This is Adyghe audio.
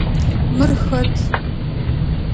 Мыр хэт?